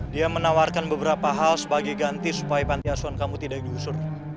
dia menawarkan beberapa hal sebagai ganti supaya panti asuhan kamu tidak digusur